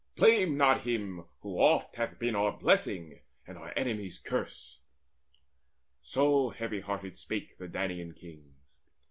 Blame not him, who oft Hath been our blessing and our enemies' curse." So heavy hearted spake the Danaan kings.